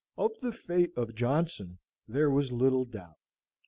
Of the fate of Johnson there was little doubt.